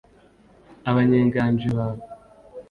abanyenganji bawe.